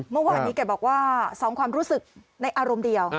เมื่อวานนี้แกบอกว่า๒ความรู้สึกในอารมณ์เดียว